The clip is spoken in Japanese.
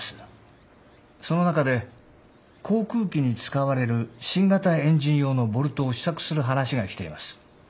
その中で航空機に使われる新型エンジン用のボルトを試作する話が来ています。